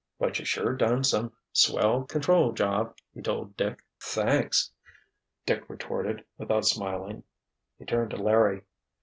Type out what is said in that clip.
"But you sure done some swell control job," he told Dick. "Thanks," Dick retorted, without smiling. He turned to Larry.